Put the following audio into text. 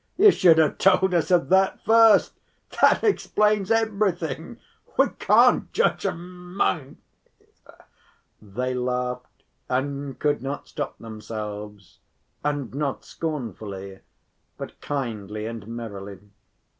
"You should have told us of that first, that explains everything, we can't judge a monk." They laughed and could not stop themselves, and not scornfully, but kindly and merrily.